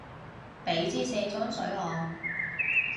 畀枝卸妝水我